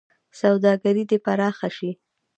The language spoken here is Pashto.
سوداګري دې پراخه شي.